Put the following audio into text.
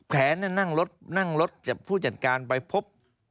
แผนนั้นนั่งรถนั่งรถผู้จัดการไปพบ